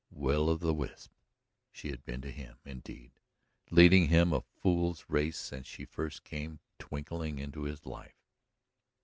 Will o' the wisp she had been to him, indeed, leading him a fool's race since she first came twinkling into his life.